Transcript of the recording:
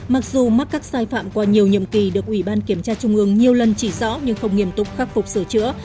mặc dù mắc các sai phạm qua nhiều nhiệm kỳ được ủy ban kiểm tra trung ương nhiều lần chỉ rõ nhưng không nghiêm túc khắc phục sửa chữa